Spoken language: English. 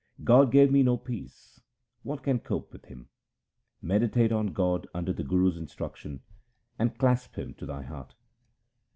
God gave me no peace ; what can cope with Him ? Meditate on God under the Guru's instruction, and clasp Him to thy heart.